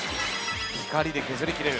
光で削りきれる。